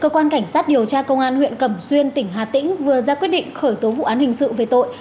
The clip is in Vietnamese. cơ quan cảnh sát điều tra công an huyện cẩm xuyên tỉnh hà tĩnh vừa ra quyết định khởi tố vụ án hình sự về tội